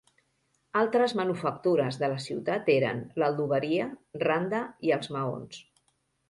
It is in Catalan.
Altres manufactures de la ciutat eren: l'adoberia, randa i els maons.